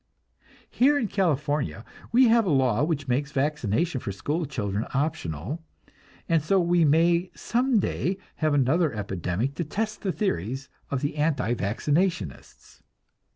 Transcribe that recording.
Here in California we have a law which makes vaccination for school children optional, and so we may some day have another epidemic to test the theories of the anti vaccinationists.